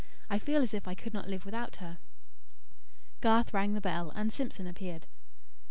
I feel as if I could not live without her." Garth rang the bell and Simpson appeared.